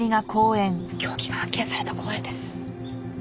凶器が発見された公園です。